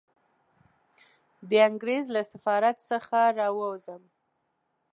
د انګریز له سفارت څخه را ووځم.